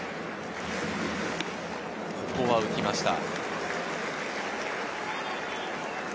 ここは浮きました。